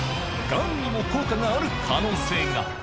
がんにも効果がある可能性が。